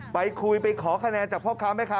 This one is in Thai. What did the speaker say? ไปคุยไปขอคะแนนจากพ่อค้าแม่ค้า